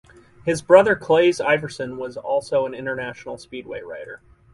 His brother Claes Ivarsson was also an international speedway rider.